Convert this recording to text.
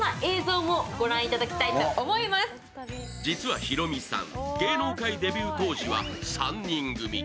実はヒロミさん、芸能界デビュー当時は３人組。